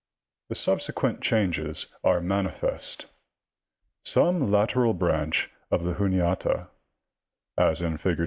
The subsequent changes are manifest. Some lateral branch of the Juniata, like N, fig.